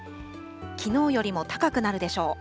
きのうよりも高くなるでしょう。